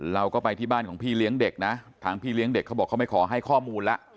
เราก็ไปที่บ้านของพี่เลี้ยงเด็กนะทางพี่เลี้ยงเด็กเขาบอกเขาไม่ขอให้ข้อมูลแล้ว